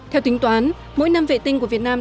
theo tính toán mỗi năm vệ tinh của việt nam